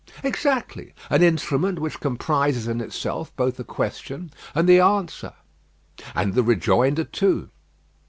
"Exactly: an instrument which comprises in itself both the question and the answer." "And the rejoinder too."